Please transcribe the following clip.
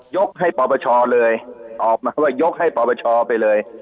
ยกให้ปปชเลยออกมาว่ายกให้ปปชไปเลย